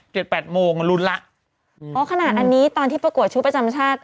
แปดโมงอ่ะลุ้นแล้วอ๋อขนาดอันนี้ตอนที่ประกวดชุดประจำชาติ